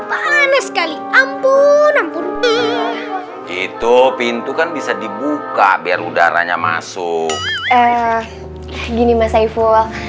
panas sekali ampun dan putih itu pintu kan bisa dibuka biar udaranya masuk eh gini mas saiful